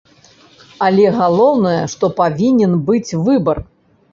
Але галоўнае, што павінен быць выбар.